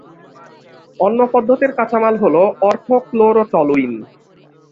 অন্য পদ্ধতির কাঁচামাল হলো অর্থো-ক্লোরোটলুইন।